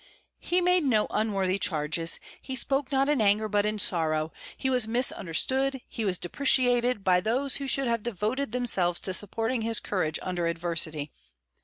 He made no unworthy charges; he spoke not in anger, but in sorrow; he was misunderstood, he was depreciated, by those who should have devoted themselves to supporting his courage under adversity.